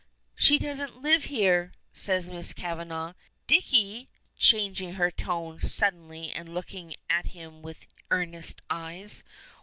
"She doesn't live here," says Miss Kavanagh. "Dicky" changing her tone suddenly and looking at him with earnest eyes.